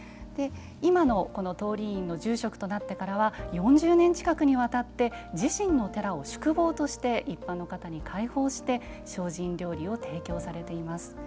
今の、東林院の住職となってからは４０年近くにわたって自身の寺を宿坊として一般の方に開放して精進料理を提供されています。